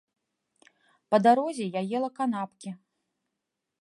Па дарозе я ела канапкі.